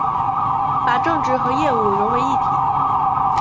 把政治和业务融为一体